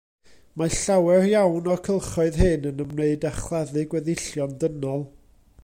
Mae llawer iawn o'r cylchoedd hyn yn ymwneud â chladdu gweddillion dynol.